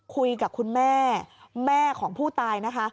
คุยกับคุณแม่แม่ของผู้ตายนะคะ